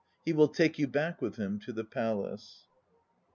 He will take you back with him to the palace.